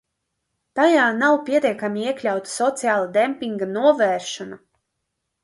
Tajā nav pietiekami iekļauta sociālā dempinga novēršana.